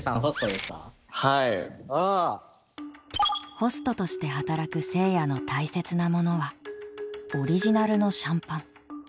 ホストとして働くせいやの大切なものはオリジナルのシャンパン。